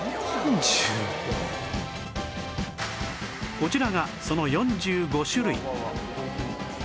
こちらがその４５種類